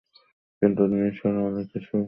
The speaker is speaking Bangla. কিন্তু নিসার আলি কিছুই করেন নি।